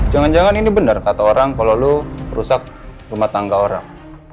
jangan jangan ini benar kata orang kalau lo merusak rumah tangga orang